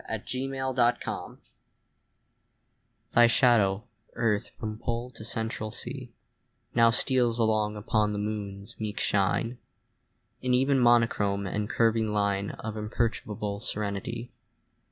AT A LUNAR ECLIPSE THY shadow, Earth, from Pole to Central Sea, Now steals along upon the Moon's meek shine In even monochrome and curving line Of imperturbable serenity.